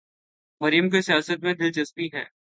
مریم کو سیاست میں دلچسپی ہے۔